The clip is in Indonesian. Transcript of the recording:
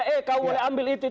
kasarnya eh kau boleh ambil itu